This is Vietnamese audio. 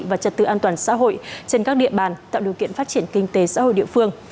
và trật tự an toàn xã hội trên các địa bàn tạo điều kiện phát triển kinh tế xã hội địa phương